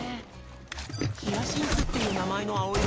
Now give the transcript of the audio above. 「ヒアシンス」っていうなまえのあおいろもあるんだね。